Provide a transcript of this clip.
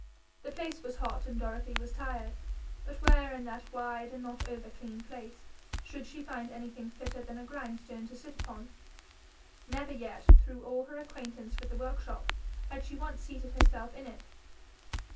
The place was hot, and Dorothy was tired. But where in that wide and not over clean place should she find anything fitter than a grindstone to sit upon? Never yet, through all her acquaintance with the workshop, had she once seated herself in it.